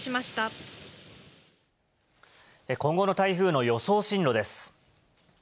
今後の台風の予想進路です。